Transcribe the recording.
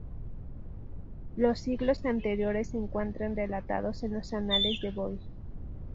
Los siglos anteriores se encuentran relatados en los Anales de Boyle.